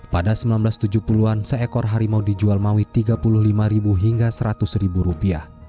pada seribu sembilan ratus tujuh puluh an seekor harimau dijual maui rp tiga puluh lima hingga rp seratus